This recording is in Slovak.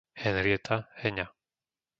Henrieta, Heňa